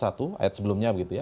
ayat sebelumnya begitu ya